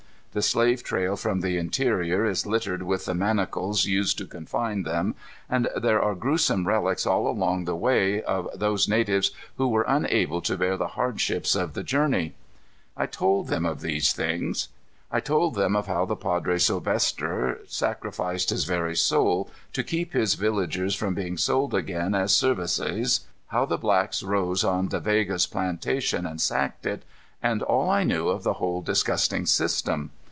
The slave trail from the interior is littered with the manacles used to confine them, and there are gruesome relics all along the way, of those natives who were unable to bear the hardships of the journey. I told them of these things. I told them of how the Padre Silvestre sacrificed his very soul to keep his villagers from being sold again as servaçaes, how the blacks rose on Da Vega's plantation and sacked it, and all I knew of the whole disgusting system.